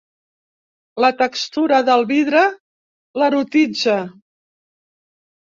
La textura del vidre l'erotitza.